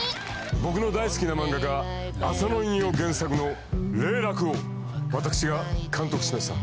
僕の大好きな漫画家浅野いにお原作の『零落』をわたくしが監督しました。